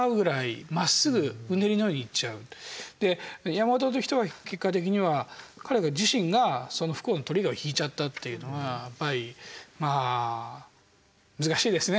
山本という人は結果的には彼が自身がその不幸のトリガーを引いちゃったっていうのがやっぱりまあ難しいですね